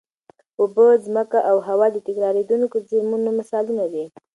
اوبه، ځمکه او هوا د تکرارېدونکو زېرمونو مثالونه دي.